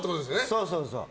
そうそうそう。